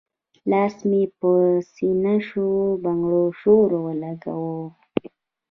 لاس مې پۀ سينه شو بنګړو شور اولګوو